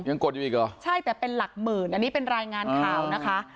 กดอยู่อีกเหรอใช่แต่เป็นหลักหมื่นอันนี้เป็นรายงานข่าวนะคะ